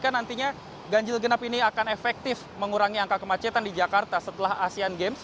nantinya ganjil genap ini akan efektif mengurangi angka kemacetan di jakarta setelah asean games